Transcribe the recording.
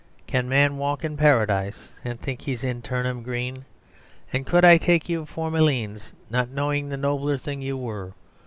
Can a man walk in Paradise And think he is in Turnham Green? And could I take you for Malines, Not knowing the nobler thing you were?